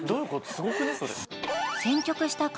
すごくね？